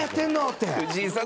って。